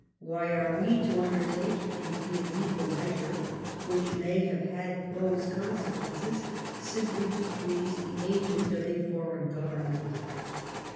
Why are we to undertake an illegal me»* sure which may have had those consequences, simply to please the agent of a foreign Government